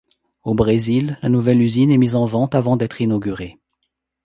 Au Brésil, la nouvelle usine est mise en vente avant d'être inaugurée.